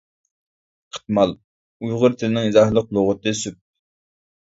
قىتمال : ئۇيغۇر تىلىنىڭ ئىزاھلىق لۇغىتى سۈپ.